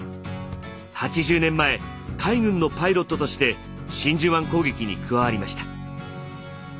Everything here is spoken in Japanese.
８０年前海軍のパイロットとして真珠湾攻撃に加わりました。